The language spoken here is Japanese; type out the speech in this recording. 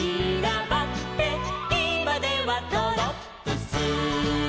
「いまではドロップス」